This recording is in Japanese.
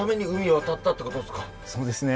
そうですね。